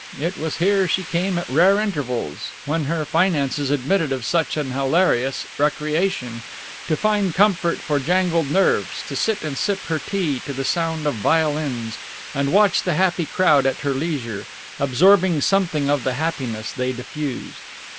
It was here she came at rare intervals, when her finances admitted of such an hilarious recreation, to find comfort for jangled nerves, to sit and sip her tea to the sound of violins and watch the happy crowd at her leisure, absorbing something of the happiness they diffused.